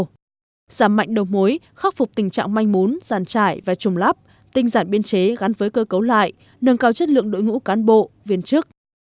giảm mạnh đầu mối khắc phục tình trạng manh mốn giàn trải và trùng lắp tinh giản biên chế gắn với cơ cấu lại nâng cao chất lượng đội ngũ cán bộ viên chức